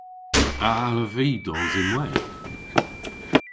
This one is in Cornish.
A allav vy dos ynwedh?